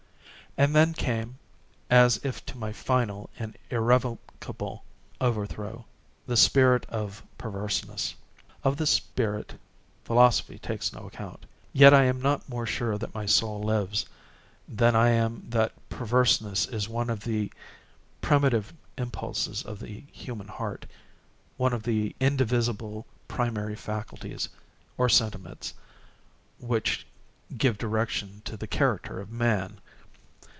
And then came, as if to my final and irrevocable overthrow, the spirit of PERVERSENESS. Of this spirit philosophy takes no account. Yet I am not more sure that my soul lives, than I am that perverseness is one of the primitive impulses of the human heart—one of the indivisible primary faculties, or sentiments, which give direction to the character of Man.